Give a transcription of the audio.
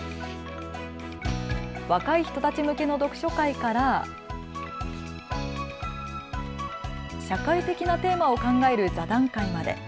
若い人たち向けの読書会から社会的なテーマを考える座談会まで。